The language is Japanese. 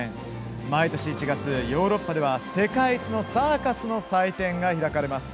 毎年１月、ヨーロッパでは世界一のサーカスの祭典が開かれます。